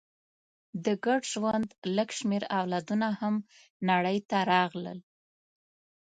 د ګډ ژوند لږ شمېر اولادونه هم نړۍ ته راغلل.